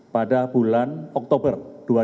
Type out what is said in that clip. pada bulan oktober dua ribu dua puluh